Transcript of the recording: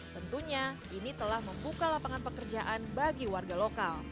tentunya ini telah membuka lapangan pekerjaan bagi warga lokal